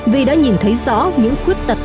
vì đã nhìn thấy rõ những khuyết tâm